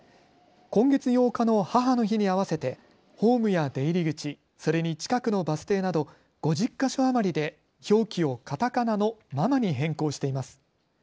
今月８日の母の日に合わせてホームや出入り口、それに近くのバス停など５０か所余りで表記をカタカナのママに変更しています。